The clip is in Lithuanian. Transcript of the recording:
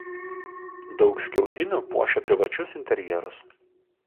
Daug skiautinių puošia privačius interjerus.